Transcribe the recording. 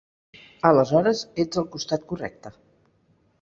Aleshores ets al costat correcte.